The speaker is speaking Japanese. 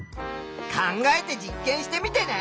考えて実験してみてね。